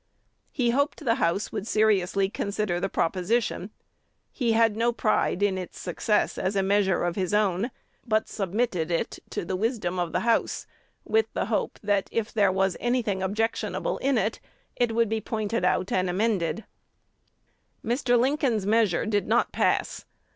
"He hoped the House would seriously consider the proposition. He had no pride in its success as a measure of his own, but submitted it to the wisdom of the House, with the hope, that, if there was any thing objectionable in it, it would be pointed out and amended." Mr. Lincoln's measure did not pass.